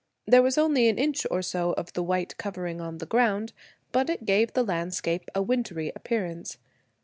There was only an inch or so of the white covering on the ground, but it gave the landscape a wintry appearance.